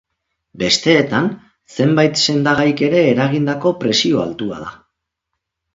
Besteetan, zenbait sendagaik ere eragindako presio altua da.